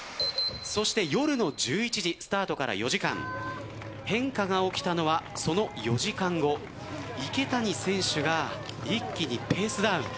そして夜の１１時スタートから４時間変化が起きたのは、その４時間後池谷選手が一気にペースダウン。